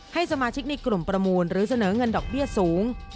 ให้สมาชิกในกลุ่มประมูลหรือเสนอเงินดอกเบี้ยสูง